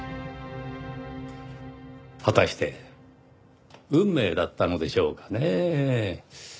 果たして運命だったのでしょうかねぇ？